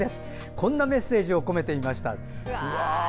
こんなメッセージを込めてみました。